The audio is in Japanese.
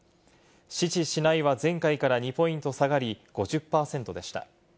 支持しないは前回から２ポイント下がり５０％でした。